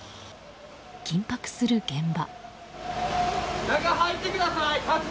緊迫する現場。